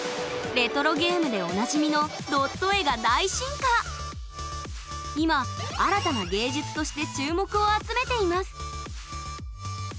レトロゲームでおなじみの今新たな芸術として注目を集めています！